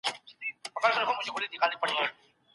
کله چې درمل پر وخت وکارول شي، ستونزې نه ژورېږي.